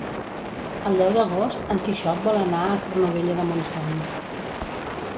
El deu d'agost en Quixot vol anar a Cornudella de Montsant.